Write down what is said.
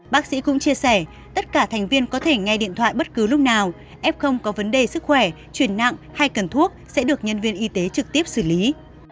bác sĩ cũng chia sẻ tất cả thành viên có thể nghe điện thoại bất cứ lúc nào f có vấn đề sức khỏe truyền nặng hay cần thuốc sẽ được nhân viên y tế trực tiếp xử lý